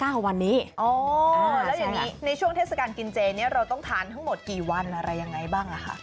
แล้วอย่างนี้ในช่วงเทศกรรมกินเจเราต้องทานทั้งหมดกี่วันอะไรยังไงบ้าง